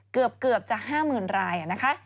เกือบจะ๕๐๐๐รายนะคะ